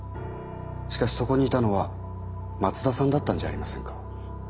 しかしそこにいたのは松田さんだったんじゃありませんか？